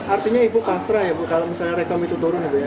artinya ibu pasrah ya kalau misalnya rekom itu turun gitu ya